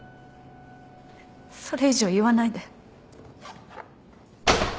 それ以上言わないで。